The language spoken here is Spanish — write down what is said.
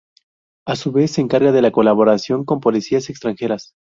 A su vez, se encarga de la colaboración con policías extranjeras.